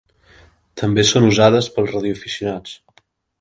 També són usades pels radioaficionats.